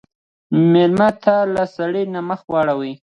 مېلمه ته له شخړې نه مخ واړوه.